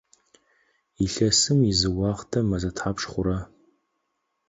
Илъэсым изы уахътэ мэзэ тхьапш хъура?